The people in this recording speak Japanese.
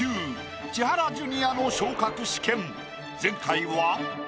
前回は。